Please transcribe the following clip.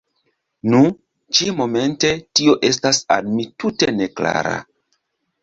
Nu, ĉi-momente tio estas al mi tute ne klara.